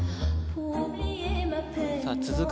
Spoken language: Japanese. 続く